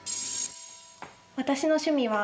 私の趣味は。